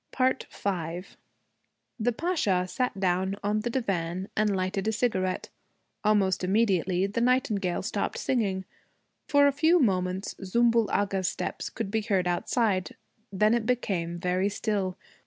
V The Pasha sat down on the divan and lighted a cigarette. Almost immediately the nightingale stopped singing. For a few moments Zümbül Agha's steps could be heard outside. Then it became very still.